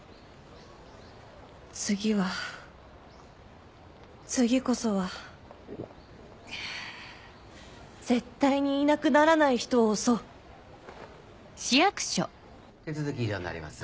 次は次こそは絶対にいなくならない人を推そう手続き以上になります。